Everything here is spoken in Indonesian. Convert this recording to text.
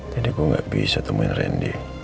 jadi gue gak bisa temuin randy